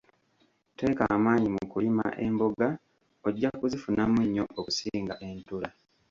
Tteeka amaanyi mu kulima emboga ojja kuzifunamu nnyo okusinga entula.